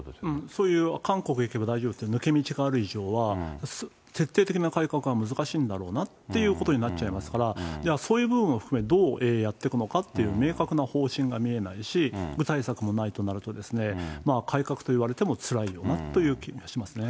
そういう、韓国行けば大丈夫って、抜け道がある以上は、徹底的な改革は難しいんだろうなということになっちゃいますから、じゃあ、そういう部分も含め、どうやっていくのかっていう明確な方針が見えないし、具体策もないとなると、改革といわれてもつらいよなという気がしますよね。